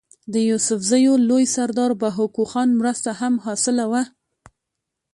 د يوسفزو لوئ سردار بهاکو خان مرسته هم حاصله وه